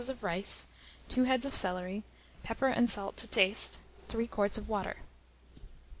of rice, 2 heads of celery, pepper and salt to taste, 3 quarts of water.